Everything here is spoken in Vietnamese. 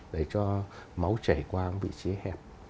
để cho máu chảy qua vị trí hẹp